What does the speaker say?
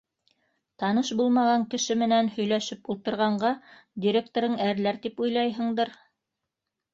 Таныш булмаған кеше менән һөйләшеп ултырғанға директорың әрләр тип уйлайһыңдыр.